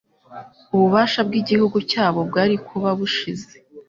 ububasha bw,'igihugu cyabo bwari kuba bushize.